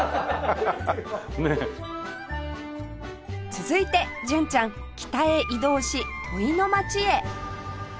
続いて純ちゃん北へ移動し土肥の街へ